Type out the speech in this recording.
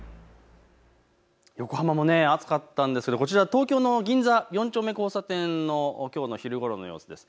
横浜も暑かったですがこちら、東京の銀座４丁目交差点のきょうの昼ごろの様子です。